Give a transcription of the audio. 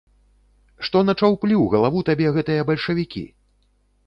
Што начаўплі ў галаву табе гэтыя бальшавікі?